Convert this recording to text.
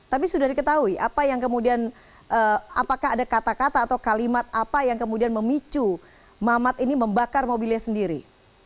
tapi sudah diketahui apa yang kemudian apakah ada kata kata atau kalimat apa yang kemudian memicu mamat ini membakar mobilnya sendiri